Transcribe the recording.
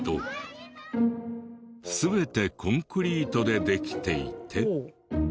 全てコンクリートでできていて。